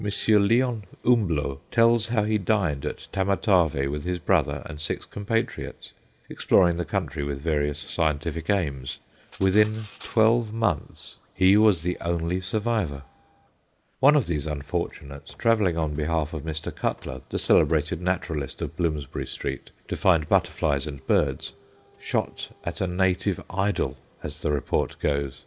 Léon Humblot tells how he dined at Tamatave with his brother and six compatriots, exploring the country with various scientific aims. Within twelve months he was the only survivor. One of these unfortunates, travelling on behalf of Mr. Cutler, the celebrated naturalist of Bloomsbury Street, to find butterflies and birds, shot at a native idol, as the report goes.